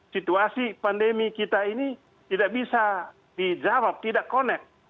situasi pandemi kita ini tidak bisa dijawab tidak connect